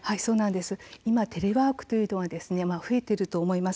今テレワークかなり増えていると思います。